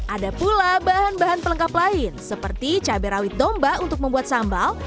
ada pula bahan bahan pelengkap lain seperti cabai rawit domba untuk membuat sambal